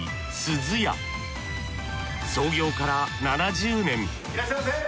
創業から７０年いらっしゃいませ！